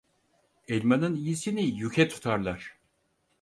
Elmanın iyisini yüke tutarlar.